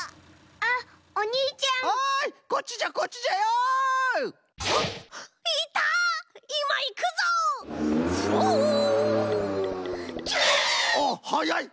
あっはやい！